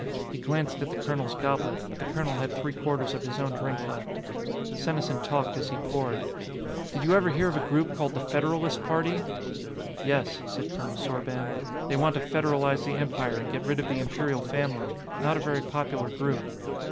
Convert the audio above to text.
He glanced at the colonel's goblet, but the colonel had three quarters of his own drink left. Senesin talked as he poured. "Did you ever hear of a group called the Federalist Party?" "Yes," said Colonel Sorban. "They want to federalize the Empire and get rid of the Imperial Family. Not a very popular group."